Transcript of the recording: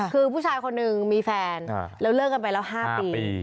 คือผู้ชายคนหนึ่งมีแฟนแล้วเลิกกันไปแล้ว๕ปี